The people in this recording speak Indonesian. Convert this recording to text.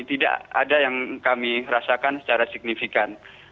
tidak ada yang kami rasakan secara signifikan